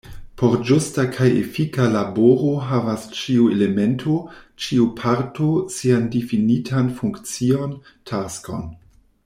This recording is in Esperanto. Por ĝusta kaj efika laboro havas ĉiu elemento, ĉiu parto, sian difinitan funkcion, taskon.